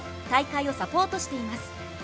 大会をサポートしています。